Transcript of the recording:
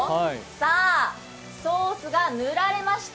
さぁ、ソースが塗られました。